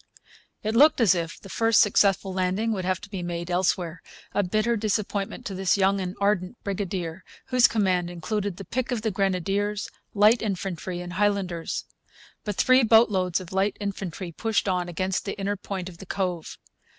It looked as if the first successful landing would have to be made elsewhere, a bitter disappointment to this young and ardent brigadier, whose command included the pick of the grenadiers, light infantry, and Highlanders. But three boatloads of light infantry pushed on against the inner point of the cove.